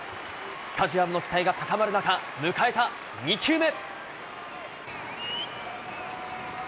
スタジアムの期待が高まる中、迎えた２球目。